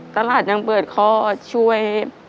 ตลาดยังเปิดข้อช่วย